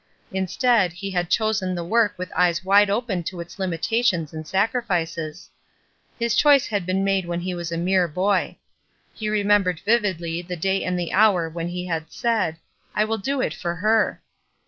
Instead, he had chosen the work with eyes wide open to its limitations and sac rifices. The choice had been made when he was a mere boy. He remembered vividly the day and the hour when he had said: "I will do it for her."